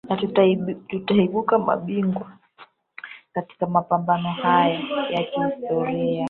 na tutaibuka mabingwa katika mapambano haya ya kihistoria